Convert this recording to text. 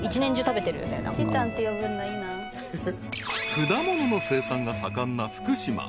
［果物の生産が盛んな福島］